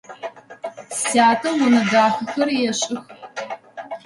Сятэ унэ дахэхэр ешӏых.